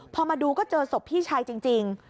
พอมาดูก็เจอศพพี่ชายจริง